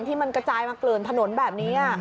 ที่มันกระจายมาเกลื่อนถนนแบบนี้